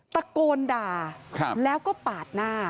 ตะโกนด่าแล้วก็ปาดหน้า